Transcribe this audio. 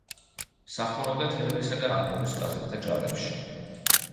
მსახურობდა თერგისა და ამურის კაზაკთა ჯარებში.